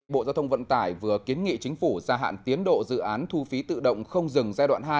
bộ giao thông vận tải vừa kiến nghị chính phủ gia hạn tiến độ dự án thu phí tự động không dừng giai đoạn hai